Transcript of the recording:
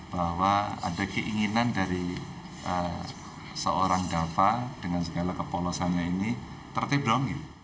bahwa ada keinginan dari seorang dava dengan segala kepolosannya ini tertib dong